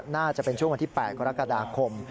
น่าจะเป็นช่วงวันที่๘กรกฎาคม